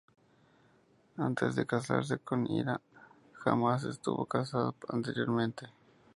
Antes de casarse con Ira, jamás estuvo casado anteriormente.